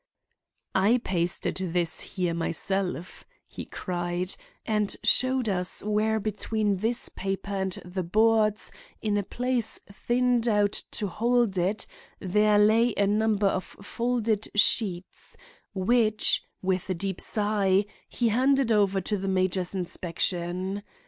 "I pasted this here myself," he cried, and showed us where between this paper and the boards, in a place thinned out to hold it, there lay a number of folded sheets, which, with a deep sigh, he handed over to the major's inspection.